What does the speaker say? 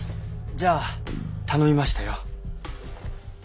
じゃあ頼みましたよ。